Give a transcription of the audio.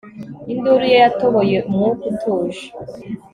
induru ye yatoboye umwuka utuje